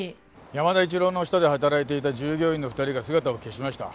山田一郎の下で働いていた従業員の２人が姿を消しました。